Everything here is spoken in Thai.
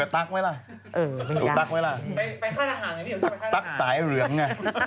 ตลกสายเหลือง